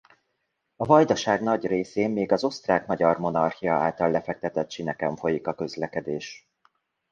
A Vajdaság nagy részén még az Osztrák–Magyar Monarchia által lefektetett síneken folyik a közlekedés.